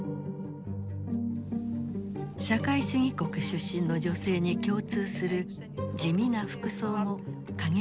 社会主義国出身の女性に共通する地味な服装も陰口の的となった。